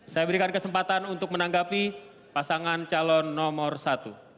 saya berikan kesempatan untuk menanggapi pasangan calon nomor satu